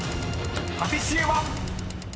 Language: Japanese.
［パティシエは⁉］